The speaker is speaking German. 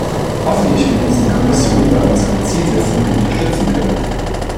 Hoffentlich wird uns die Kommission bei unseren Zielsetzungen unterstützen können.